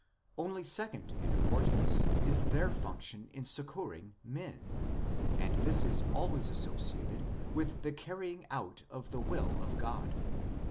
Only second in importance is their function of succouring men, and this is always associated with the carrying out of the will of God.